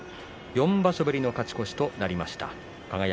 ４場所ぶりの勝ち越しとなりました、輝。